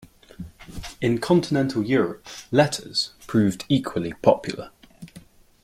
In continental Europe, "Letters" proved equally popular.